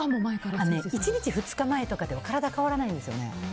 １日、２日前からじゃ体は変わらないんですよね。